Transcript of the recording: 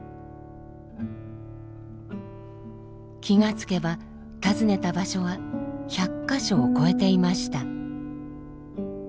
気がつけば訪ねた場所は１００か所を超えていました。